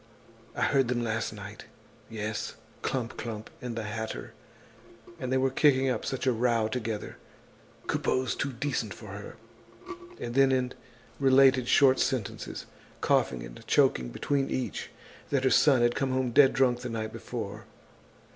I heard them last night. Yes, Clump clump and the hatter. And they were kicking up such a row together! Coupeau's too decent for her." And she related in short sentences, coughing and choking between each, that her son had come home dead drunk the night before.